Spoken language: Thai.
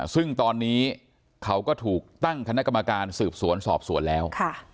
ซึ่งตอนนี้เขาก็ถูกตั้งคณะกรรมการสืบสวนสอบสวนแล้ว